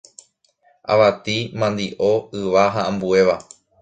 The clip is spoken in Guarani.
avati, mandi'o, yva ha ambuéva